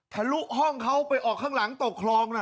ลุห้องเขาไปออกข้างหลังตกคลองนะ